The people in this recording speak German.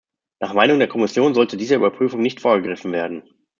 Nach Meinung der Kommission sollte dieser Überprüfung nicht vorgegriffen werden.